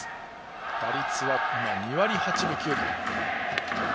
打率は２割８分９厘。